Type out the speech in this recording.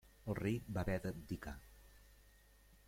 El rei va haver d'abdicar.